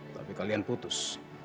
tapi kalian putus